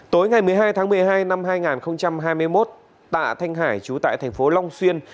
tối ngày một mươi hai tháng một mươi hai năm hai nghìn hai mươi một tạ thanh hải chú tại thành phố long xuyên